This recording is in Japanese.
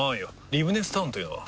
リブネスタウンというのは？